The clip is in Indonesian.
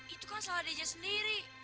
itu kan salah dirinya sendiri